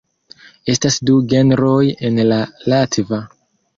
Estas du genroj en la latva.